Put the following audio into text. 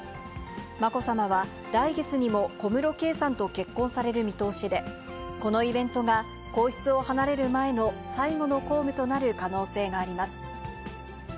まこさまは来月にも小室圭さんと結婚される見通しで、このイベントが皇室を離れる前の最後の公務となる可能性があります。